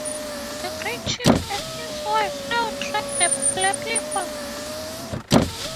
The great chief and his wife now drank the black liquor.